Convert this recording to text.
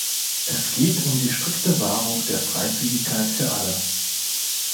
Es geht um die strikte Wahrung der Freizügigkeit für alle.